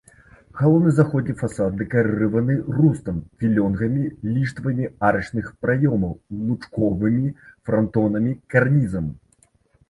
Галоўны заходні фасад дэкарыраваны рустам, філёнгамі, ліштвамі арачных праёмаў, лучковымі франтонамі, карнізам.